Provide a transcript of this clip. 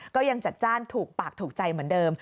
ก็ยังจัดจ้านถูกปากถูกใจเหมือนเดิม